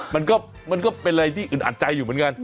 มันก็เป็นอะไรที่อึดอัดใจอยู่เหมือนกัน